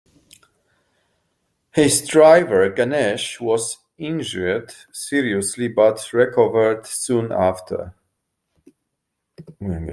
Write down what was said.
His driver Ganesh was injured seriously but recovered soon after.